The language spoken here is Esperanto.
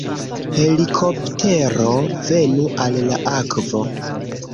Helikoptero... venu al la akvo!